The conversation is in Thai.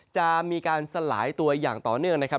จะมีการสลายตัวอย่างต่อเนื่องนะครับ